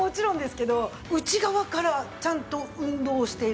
内側からちゃんと運動をしている。